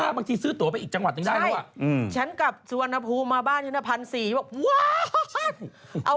บางทีซื้อตัวไปอีกจังหวัดนึงได้แล้วอะ